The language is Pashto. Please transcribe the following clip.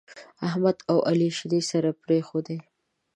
احمد او عالي شيدې سره پرېښودې.